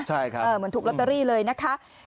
ใช่ครับเหมือนถูกลอตเตอรี่เลยนะคะ